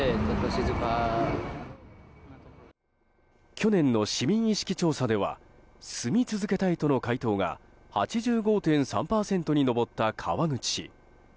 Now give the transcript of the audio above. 去年の市民意識調査では住み続けたいとの回答が８５．３％に上った川口市。